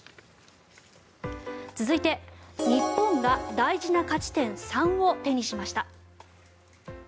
続いて、日本が大事な勝ち点３を手にしました。